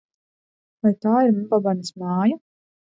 Vai tā ir Mbabanes māja?